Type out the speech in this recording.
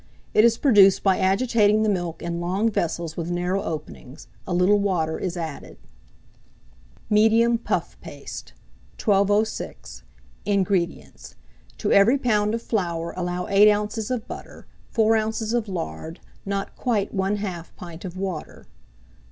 It is produced by agitating the milk in long vessels with narrow openings: a little water is added." MEDIUM PUFF PASTE. 1206. INGREDIENTS. To every lb. of flour allow 8 oz. of butter, 4 oz. of lard, not quite 1/2 pint of water.